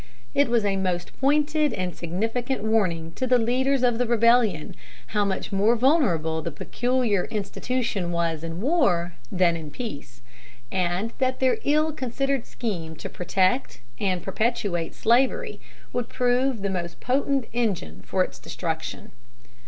It was a most pointed and significant warning to the leaders of the rebellion how much more vulnerable the peculiar institution was in war than in peace, and that their ill considered scheme to protect and perpetuate slavery would prove the most potent engine for its destruction.